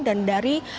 dan dari pak jendral